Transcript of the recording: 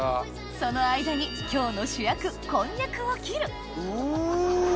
その間に今日の主役こんにゃくを切るうっわ！